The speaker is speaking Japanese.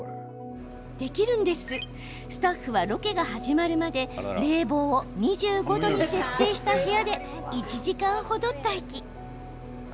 スタッフは、ロケが始まるまで冷房を２５度に設定した部屋で１時間程、待機。